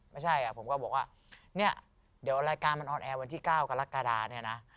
ไม่ใช่ผมก็บอกว่าเนี่ยเดี๋ยวรายการมันออนแอร์วันที่๙กรกฎาเนี่ยนะ